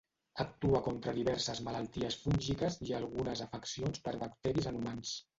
Actua contra diverses malalties fúngiques i algunes afeccions per bacteris en humans.